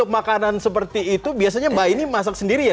masakan seperti itu biasanya mbak aini masak sendiri ya